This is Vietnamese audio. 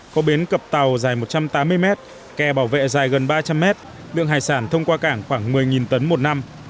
có bến cập tàu dài một trăm tám mươi mét kè bảo vệ dài gần ba trăm linh mét lượng hải sản thông qua cảng khoảng một mươi tấn một năm